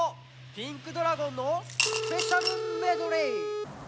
ピンクドラゴンのスペシャルメドレー！